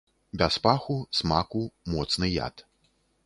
Без паху, смаку, моцны яд.